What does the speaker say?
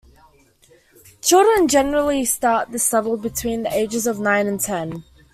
Children generally start this level between the ages of nine and ten.